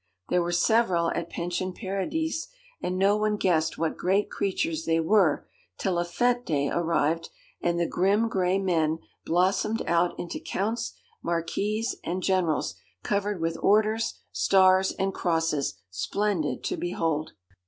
There were several at Pension Paradis, and no one guessed what great creatures they were till a fête day arrived, and the grim, gray men blossomed out into counts, marquises, and generals covered with orders, stars, and crosses splendid to behold.